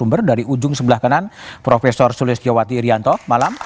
pemilihan dari ujung sebelah kenan prof sulis kiyawati irianto malam